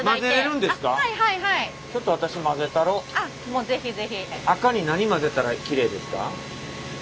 もう是非是非。